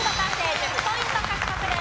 １０ポイント獲得です。